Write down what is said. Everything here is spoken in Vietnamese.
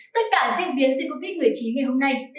mở lại đường bay liên tỉnh nội địa